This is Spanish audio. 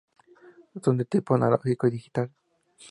Son de tipo analógico y digital.